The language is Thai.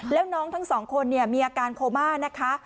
แล้วน้องทั้งสองคนมีอาการโคม่านะคะ